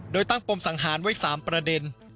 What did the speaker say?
โดยตั้งปมสังหารไว้๓ประเด็น